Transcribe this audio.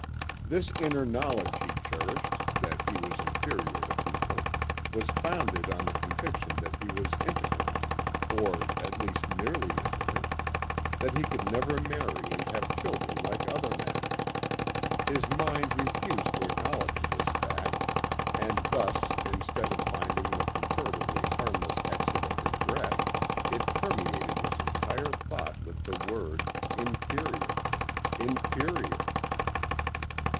This inner knowledge he cherished, that he was inferior to people, was founded on the conviction that he was impotent; or at least nearly impotent; that he could never marry and have children like other men. His mind refused to acknowledge this fact and thus instead of finding the comparatively harmless exit of regret, it permeated his entire thought with the word inferior ... inferior.